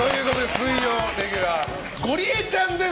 水曜レギュラーゴリエちゃんです。